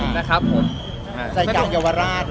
ใส่ใก่เยาวราช